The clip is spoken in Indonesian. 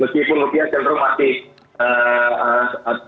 meskipun rupiah cenderung masih ee ee